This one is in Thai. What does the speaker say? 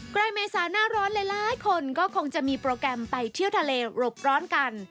ใกล้เมษาหน้าร้อนหลายคนก็คงจะมีโปรแกรมไปเที่ยวทะเลหลบร้อนกัน